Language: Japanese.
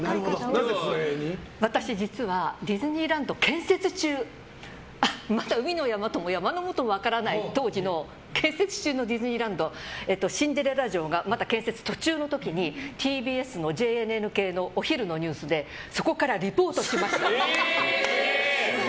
私、実はディズニーランドの建設中、まだ海のものとも山のものとも分からない当時の建設中のディズニーランドシンデレラ城がまだ建設途中の時にＴＢＳのＪＮＮ系のお昼のニュースですげえ！